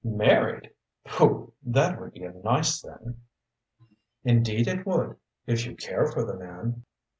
"Married! Pooh that would be a nice thing!" "Indeed it would. If you care for the man."